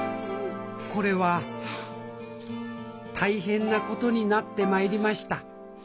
これは大変なことになってまいりました